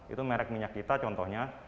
itu merek minyak kita contohnya